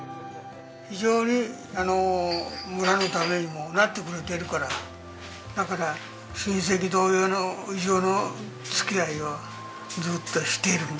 非常に村のためにもなってくれてるからだから親戚同様以上の付き合いをずっとしてるの。